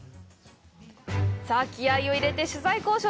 気合いを入れて取材交渉。